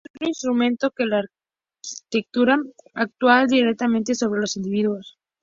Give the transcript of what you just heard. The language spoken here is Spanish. Sin otro instrumento que la arquitectura, actúa directamente sobre los individuos.